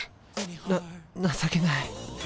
な情けない。